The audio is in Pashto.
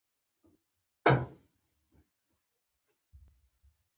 • ونه د اقلیم بدلون کموي.